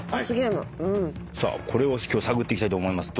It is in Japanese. これを探っていきたいと思います。